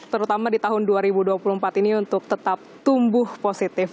terutama di tahun dua ribu dua puluh empat ini untuk tetap tumbuh positif